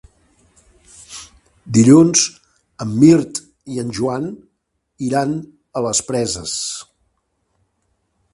Dilluns en Mirt i en Joan iran a les Preses.